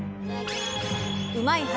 「うまいッ！」